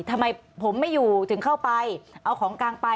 ทำไมผมไม่อยู่ถึงเข้าไปเอาของกลางไป